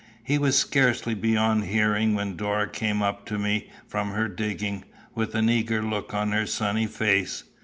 He was scarcely beyond hearing, when Dora came up to me from her digging, with an eager look on her sunny face.